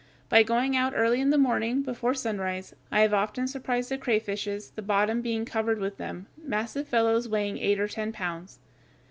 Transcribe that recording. By going out early in the morning, before sunrise, I have often surprised the crayfishes, the bottom being covered with them, massive fellows weighing eight or ten pounds.